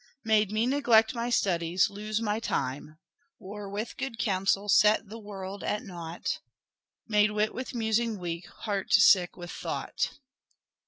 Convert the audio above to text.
Made me neglect my studies, lose my time, War with good counsel, set the world at nought; Made wit with musing weak, heart sick with thought.